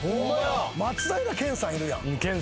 松平健さんいるやん。